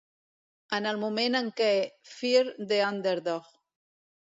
En el moment en què "Fear the underdog"